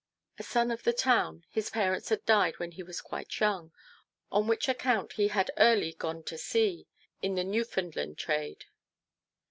A son of the town, his parents had died when he was quite young, on which account he had early gone to sea, in the Newfoundland trade.